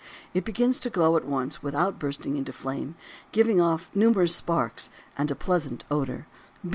It begins to glow at once without bursting into flame, giving off numerous sparks and a pleasant odor.